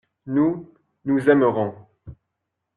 Nous, nous aimerons.